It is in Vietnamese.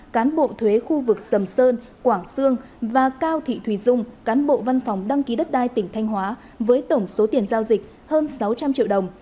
cán bộ thuế khu vực sầm sơn quảng sương và cao thị thùy dung cán bộ văn phòng đăng ký đất đai tỉnh thanh hóa với tổng số tiền giao dịch hơn sáu trăm linh triệu đồng